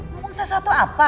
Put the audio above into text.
ngomong sesuatu apa